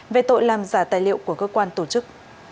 về tội làm giả tài liệu của cơ quan tổ chức